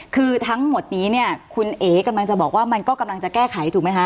คือทั้งหมดนี้เนี่ยคุณเอ๋กำลังจะบอกว่ามันก็กำลังจะแก้ไขถูกไหมคะ